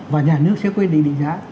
và nhà nước sẽ quyết định định giá